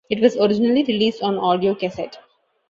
It was originally released on audio cassette.